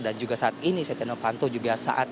dan juga saat ini siti novanto juga saat